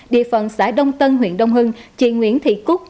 địa phận xã đông tân huyện đông hưng chị nguyễn thị cúc